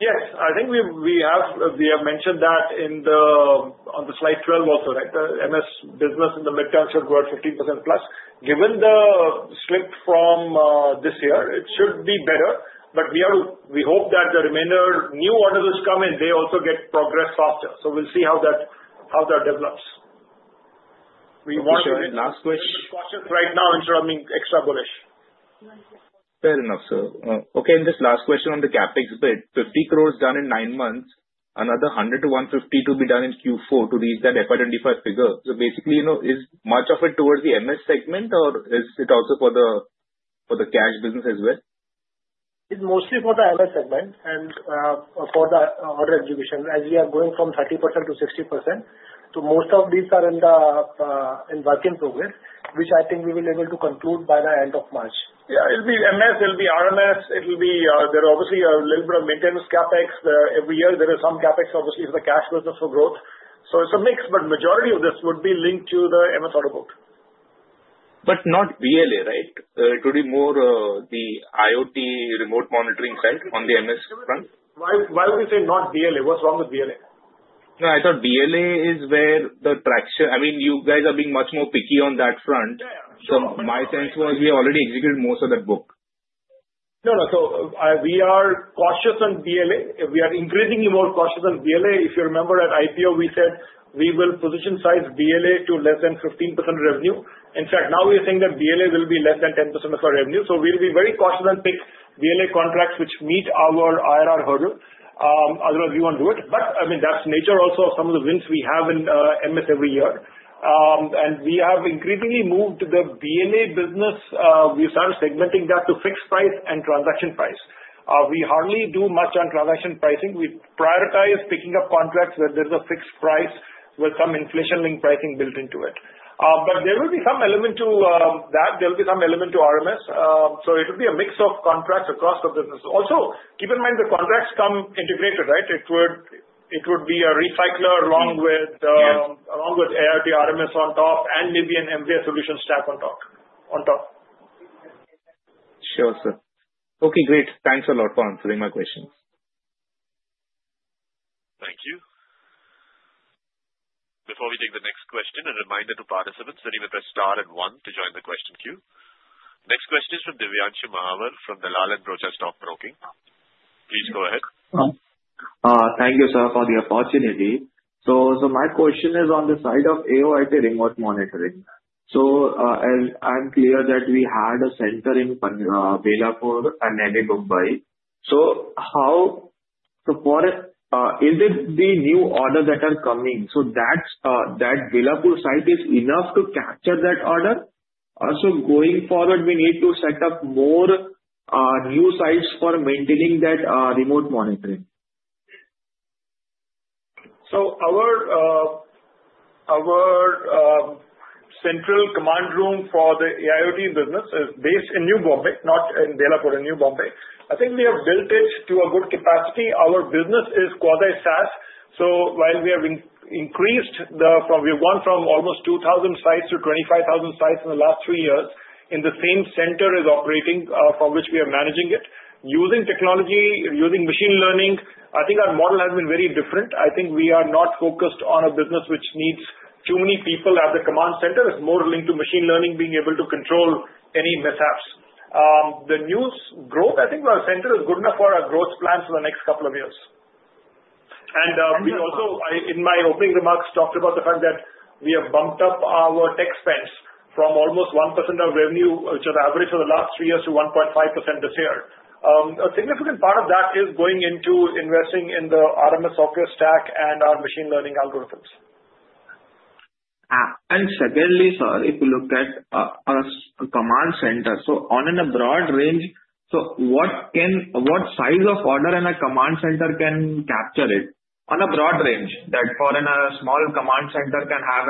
Yes. I think we have mentioned that on the slide 12 also, right? The MS business in the midterm should grow at 15% plus. Given the slip from this year, it should be better, but we hope that the remainder new orders which come in, they also get progressed faster. So we'll see how that develops. Okay. Last question. Right now instead of being extra bullish. Fair enough, sir. Okay. And this last question on the CapEx bit, 50 crores done in nine months, another 100-150 crores to be done in Q4 to reach that FY25 figure. So basically, is much of it towards the MS segment, or is it also for the cash business as well? It's mostly for the MS segment and for the order execution, as we are going from 30% to 60%. So most of these are in the work in progress, which I think we will be able to conclude by the end of March. Yeah. It'll be MS, it'll be RMS. There are obviously a little bit of maintenance CapEx. Every year, there is some CapEx, obviously, for the cash business for growth. So it's a mix, but the majority of this would be linked to the MS order book. But not BLA, right? It would be more the IoT remote monitoring side on the MS front. Why would you say not BLA? What's wrong with BLA? No, I thought BLA is where the traction, I mean, you guys are being much more picky on that front, so my sense was we already executed most of that book. No, no. So we are cautious on BLA. We are increasingly more cautious on BLA. If you remember at IPO, we said we will position size BLA to less than 15% revenue. In fact, now we are saying that BLA will be less than 10% of our revenue. So we'll be very cautious and pick BLA contracts which meet our IRR hurdle. Otherwise, we won't do it. But I mean, that's nature also of some of the wins we have in MS every year. And we have increasingly moved the BLA business. We started segmenting that to fixed price and transaction price. We hardly do much on transaction pricing. We prioritize picking up contracts where there's a fixed price with some inflation-linked pricing built into it. But there will be some element to that. There will be some element to RMS. So it will be a mix of contracts across the business. Also, keep in mind the contracts come integrated, right? It would be a recycler along with IoT RMS on top and maybe an IoT solution stack on top. Sure, sir. Okay. Great. Thanks a lot for answering my questions. Thank you. Before we take the next question, a reminder to participants sitting with their star and one to join the question queue. Next question is from Divyanshu Mahawar from Dalal & Broacha Stock Broking. Please go ahead. Thank you, sir, for the opportunity. So my question is on the side of AIoT remote monitoring. So I'm clear that we had a center in Belapur and in Dubai. So is it the new orders that are coming? So that Belapur site is enough to capture that order? Also, going forward, we need to set up more new sites for maintaining that remote monitoring. So our central command room for the AIoT business is based in New Bombay, not in Belapur in New Bombay. I think we have built it to a good capacity. Our business is quasi-SaaS. So while we have gone from almost 2,000 sites to 25,000 sites in the last three years in the same center is operating from which we are managing it. Using technology, using machine learning, I think our model has been very different. I think we are not focused on a business which needs too many people at the command center. It's more linked to machine learning, being able to control any mishaps. The new growth, I think our center is good enough for our growth plan for the next couple of years. We also, in my opening remarks, talked about the fact that we have bumped up our tech spends from almost 1% of revenue, which is average for the last three years, to 1.5% this year. A significant part of that is going into investing in the RMS software stack and our machine learning algorithms. And secondly, sir, if you look at our command center, so on a broad range, so what size of order and a command center can capture it on a broad range that for a small command center can have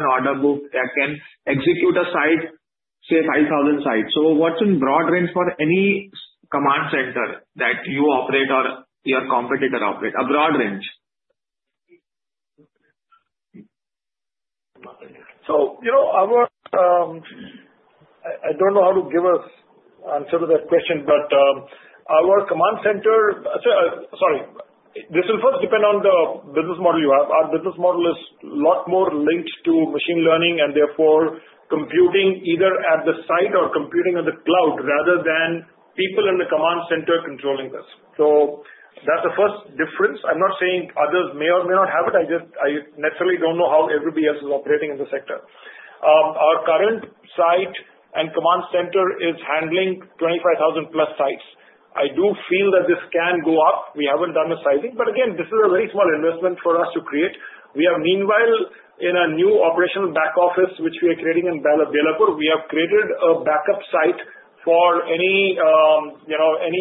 an order book that can execute a site, say, 5,000 sites? So what's in broad range for any command center that you operate or your competitor operate? A broad range. So I don't know how to give an answer to that question, but our command center, sorry, this will first depend on the business model you have. Our business model is a lot more linked to machine learning and therefore computing either at the site or computing on the cloud rather than people in the command center controlling this. So that's the first difference. I'm not saying others may or may not have it. I just necessarily don't know how everybody else is operating in the sector. Our current site and command center is handling 25,000 plus sites. I do feel that this can go up. We haven't done the sizing. But again, this is a very small investment for us to create. We have, meanwhile, in a new operational back office, which we are creating in Belapur, we have created a backup site for any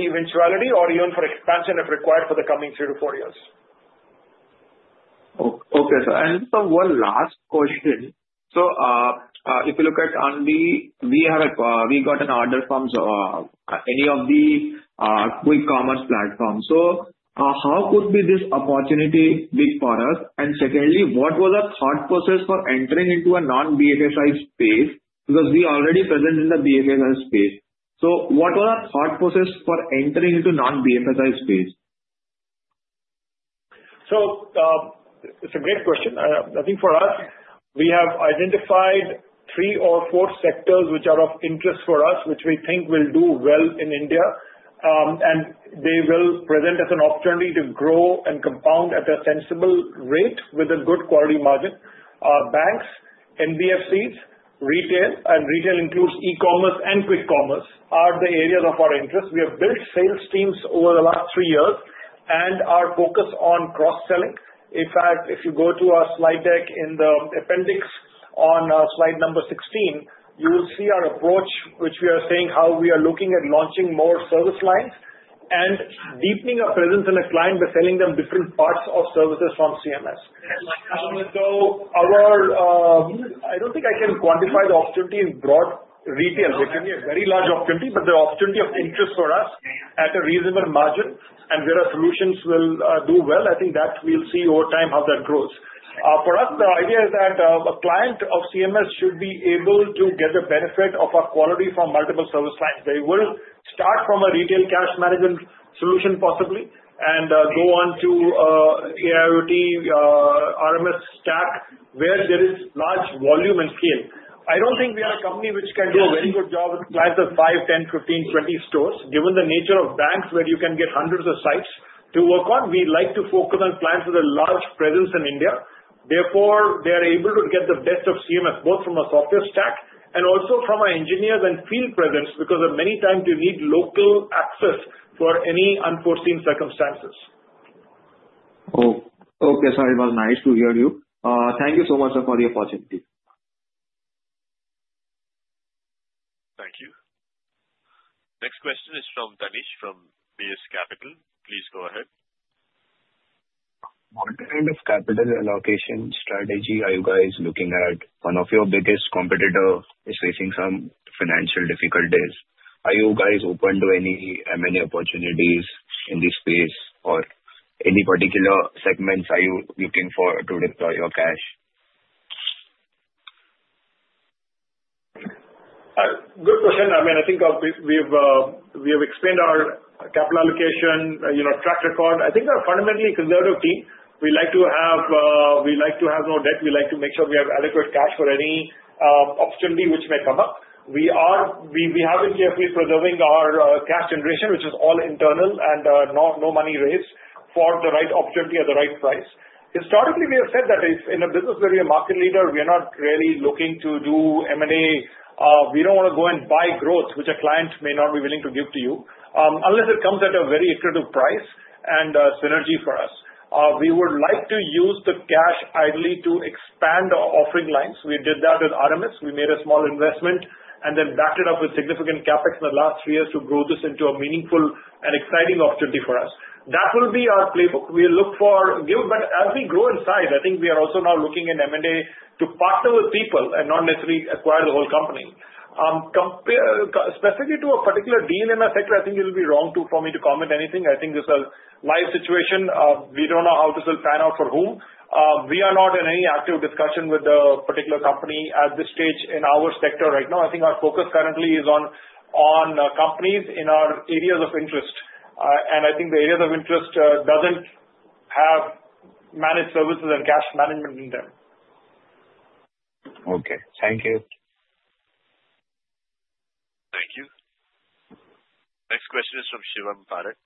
eventuality or even for expansion if required for the coming three-to-four years. Okay. And so one last question. So if you look at any day, we got an order from any of the quick commerce platforms. So how could this opportunity be for us? And secondly, what was our thought process for entering into a non-BFSI space? Because we are already present in the BFSI space. So what was our thought process for entering into non-BFSI space? So it's a great question. I think for us, we have identified three or four sectors which are of interest for us, which we think will do well in India, and they will present us an opportunity to grow and compound at a sensible rate with a good quality margin. Banks, NBFCs, retail, and retail includes e-commerce and quick commerce are the areas of our interest. We have built sales teams over the last three years and are focused on cross-selling. In fact, if you go to our slide deck in the appendix on slide number 16, you will see our approach, which we are saying how we are looking at launching more service lines and deepening our presence in a client by selling them different parts of services from CMS. So I don't think I can quantify the opportunity in broad retail. We're getting a very large opportunity, but the opportunity of interest for us at a reasonable margin and where our solutions will do well. I think that we'll see over time how that grows. For us, the idea is that a client of CMS should be able to get the benefit of our quality from multiple service lines. They will start from a retail cash management solution possibly and go on to AIoT RMS stack where there is large volume and scale. I don't think we are a company which can do a very good job with clients of five, 10, 15, 20 stores. Given the nature of banks where you can get hundreds of sites to work on, we like to focus on clients with a large presence in India. Therefore, they are able to get the best of CMS, both from a software stack and also from our engineers and field presence because many times you need local access for any unforeseen circumstances. Okay. Sorry, it was nice to hear you. Thank you so much for the opportunity. Thank you. Next question is from Dhanesh from DS Capital. Please go ahead. What kind of capital allocation strategy are you guys looking at? One of your biggest competitors is facing some financial difficulties these days. Are you guys open to any M&A opportunities in this space or any particular segments are you looking for to deploy your cash? Good question. I mean, I think we have explained our capital allocation track record. I think we are fundamentally a conservative team. We like to have no debt. We have been carefully preserving our cash generation, which is all internal and no money raised for the right opportunity at the right price. Historically, we have said that in a business where we are market leaders, we are not really looking to do M&A. We don't want to go and buy growth, which a client may not be willing to give to you unless it comes at a very attractive price and synergy for us. We would like to use the cash ideally to expand our offering lines. We did that with RMS. We made a small investment and then backed it up with significant CapEx in the last three years to grow this into a meaningful and exciting opportunity for us. That will be our playbook. We will look for growth, but as we grow in size, I think we are also now looking at M&A to partner with people and not necessarily acquire the whole company. Specifically to a particular deal in the sector, I think it would be wrong for me to comment anything. I think this is a live situation. We don't know how to still pan out for whom. We are not in any active discussion with the particular company at this stage in our sector right now. I think our focus currently is on companies in our areas of interest, and I think the areas of interest doesn't have managed services and cash management in them. Okay. Thank you. Thank you. Next question is from Shivam Parekh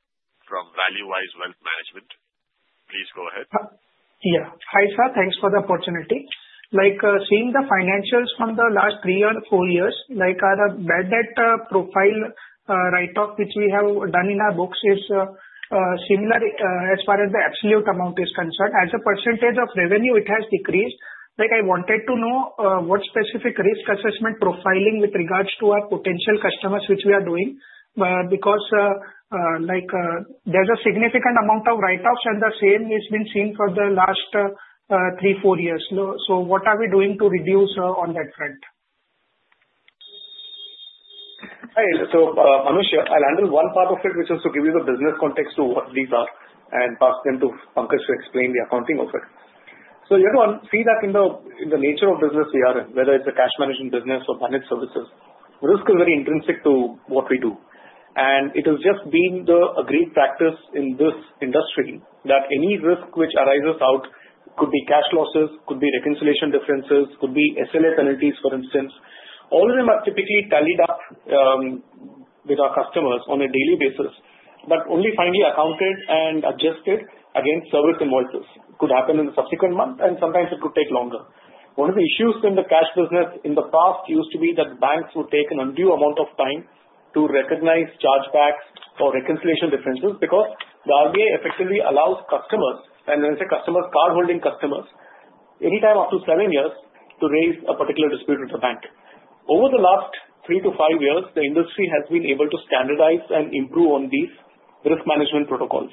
from ValueWise Wealth Management. Please go ahead. Yeah. Hi, sir. Thanks for the opportunity. Seeing the financials from the last three or four years, I read that provision write-off which we have done in our books is similar as far as the absolute amount is concerned. As a percentage of revenue, it has decreased. I wanted to know what specific risk assessment profiling with regards to our potential customers which we are doing because there's a significant amount of write-offs and the same has been seen for the last three, four years. So what are we doing to reduce on that front? So Anush here, I'll handle one part of it, which is to give you the business context to what these are and pass them to Pankaj to explain the accounting of it. So everyone, see that in the nature of business we are in, whether it's a cash management business or managed services, risk is very intrinsic to what we do. And it has just been a great practice in this industry that any risk which arises out could be cash losses, could be reconciliation differences, could be SLA penalties, for instance. All of them are typically tallied up with our customers on a daily basis, but only finally accounted and adjusted against service invoices. It could happen in the subsequent month, and sometimes it could take longer. One of the issues in the cash business in the past used to be that banks would take an undue amount of time to recognize chargebacks or reconciliation differences because the RBI effectively allows customers, and when I say customers, cardholding customers, anytime up to seven years to raise a particular dispute with the bank. Over the last three to five years, the industry has been able to standardize and improve on these risk management protocols,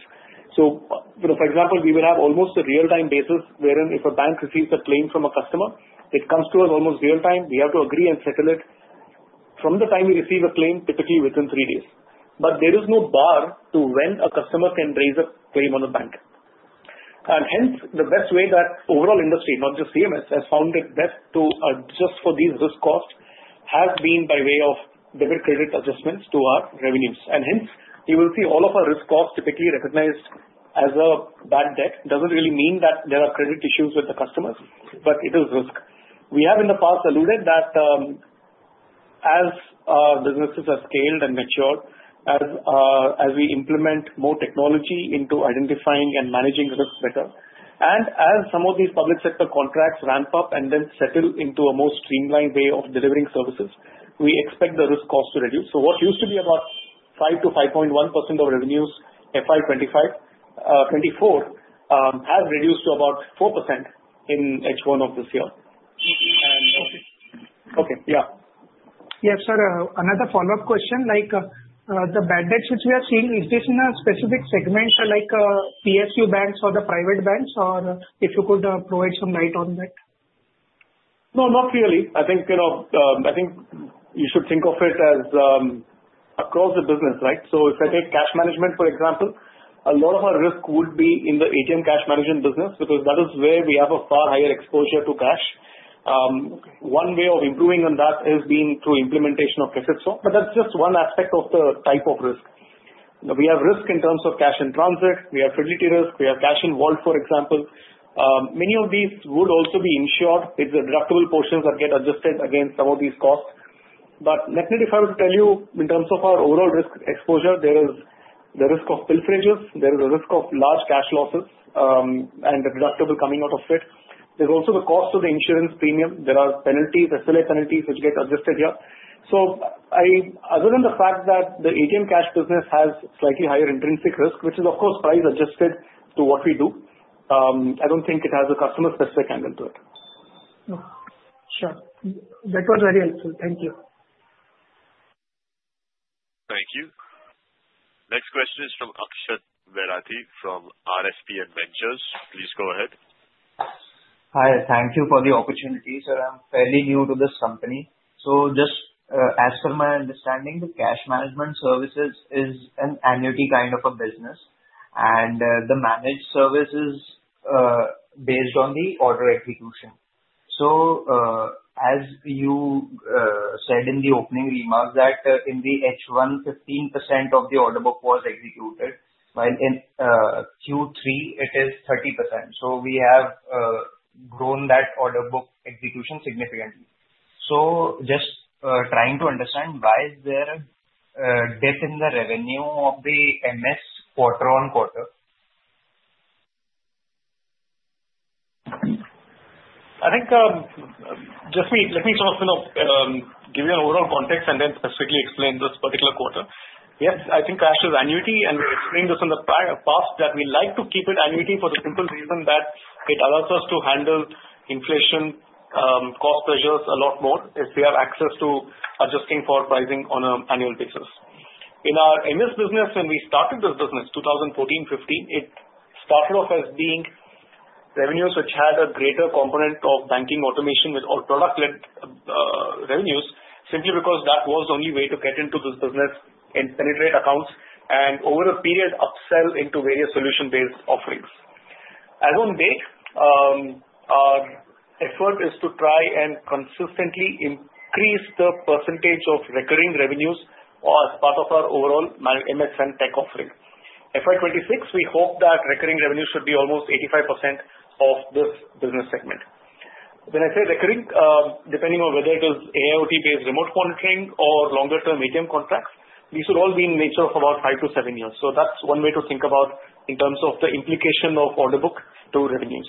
so for example, we will have almost a real-time basis wherein if a bank receives a claim from a customer, it comes to us almost real-time. We have to agree and settle it from the time we receive a claim, typically within three days. But there is no bar to when a customer can raise a claim on a bank. Hence, the best way that overall industry, not just CMS, has found it best to adjust for these risk costs has been by way of debit credit adjustments to our revenues. Hence, you will see all of our risk costs typically recognized as a bad debt. It doesn't really mean that there are credit issues with the customers, but it is risk. We have in the past alluded that as businesses have scaled and matured, as we implement more technology into identifying and managing risk better, and as some of these public sector contracts ramp up and then settle into a more streamlined way of delivering services, we expect the risk costs to reduce. What used to be about 5-5.1% of revenues FY 24 has reduced to about 4% in H1 of this year. Okay. Yeah, sir, another follow-up question. The bad debts which we have seen, is this in a specific segment like PSU banks or the private banks? Or if you could provide some light on that? No, not really. I think you should think of it as across the business, right? So if I take cash management, for example, a lot of our risk would be in the ATM cash management business because that is where we have a far higher exposure to cash. One way of improving on that has been through implementation of cassette swap. But that's just one aspect of the type of risk. We have risk in terms of cash-in-transit. We have fidelity risk. We have cash involved, for example. Many of these would also be insured. It's a deductible portion that gets adjusted against some of these costs. But let me define what I tell you in terms of our overall risk exposure. There is the risk of pilferages. There is a risk of large cash losses and the deductible coming out of it. There's also the cost of the insurance premium. There are penalties, SLA penalties which get adjusted here. So other than the fact that the ATM cash business has slightly higher intrinsic risk, which is, of course, price adjusted to what we do, I don't think it has a customer-specific angle to it. Sure. That was very helpful. Thank you. Thank you. Next question is from Akshat Bairathi from RSPN Ventures. Please go ahead. Hi. Thank you for the opportunity, sir. I'm fairly new to this company. So just as per my understanding, the cash management services is an annuity kind of a business, and the managed service is based on the order execution. So as you said in the opening remarks that in the H1, 15% of the order book was executed, while in Q3, it is 30%. So we have grown that order book execution significantly. So just trying to understand why is there a dip in the revenue of the MS quarter on quarter? I think just let me sort of give you an overall context and then specifically explain this particular quarter. Yes, I think cash is annuity, and we explained this in the past that we like to keep it annuity for the simple reason that it allows us to handle inflation cost pressures a lot more if we have access to adjusting for pricing on an annual basis. In our MS business, when we started this business, 2014-2015, it started off as being revenues which had a greater component of banking automation with our product-led revenues simply because that was the only way to get into this business and penetrate accounts and over a period upsell into various solution-based offerings. As of date, our effort is to try and consistently increase the percentage of recurring revenues as part of our overall MS and tech offering. FY26, we hope that recurring revenues should be almost 85% of this business segment. When I say recurring, depending on whether it is AIoT-based remote monitoring or longer-term ATM contracts, these would all be in nature of about five to seven years. So that's one way to think about in terms of the implication of order book to revenues.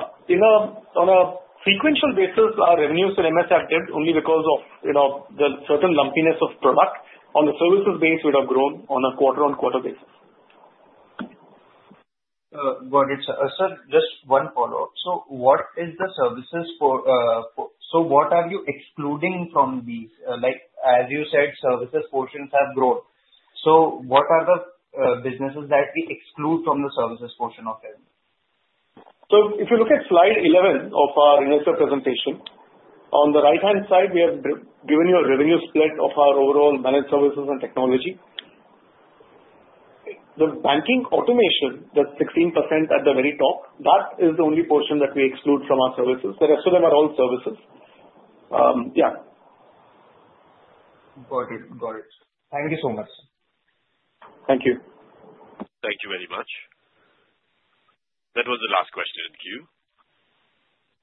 On a sequential basis, our revenues in MS have dipped only because of the certain lumpiness of product. On the services base, we would have grown on a quarter-on-quarter basis. Got it. Sir, just one follow-up. So what is the services? So what are you excluding from these? As you said, services portions have grown. So what are the businesses that we exclude from the services portion of them? So if you look at slide 11 of our investor presentation, on the right-hand side, we have given you a revenue split of our overall Managed Services and Technology. The banking automation, that's 16% at the very top. That is the only portion that we exclude from our services. The rest of them are all services. Yeah. Got it. Got it. Thank you so much. Thank you. Thank you very much. That was the last question in queue.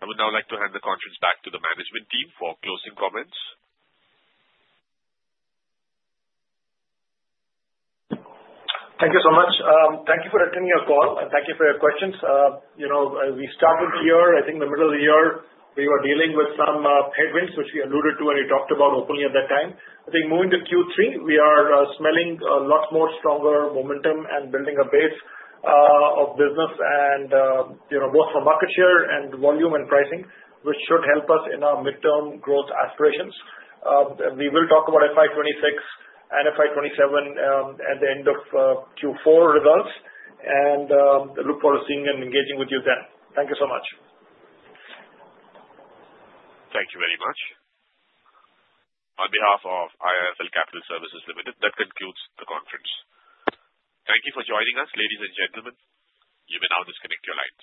I would now like to hand the conference back to the management team for closing comments. Thank you so much. Thank you for attending our call, and thank you for your questions. As we started the year, I think the middle of the year, we were dealing with some headwinds, which we alluded to when we talked about opening at that time. I think moving to Q3, we are smelling a lot more stronger momentum and building a base of business and both for market share and volume and pricing, which should help us in our midterm growth aspirations. We will talk about FY 26 and FY 27 at the end of Q4 results, and look forward to seeing and engaging with you then. Thank you so much. Thank you very much. On behalf of IIFL Capital Services Limited, that concludes the conference. Thank you for joining us, ladies and gentlemen. You may now disconnect your lines.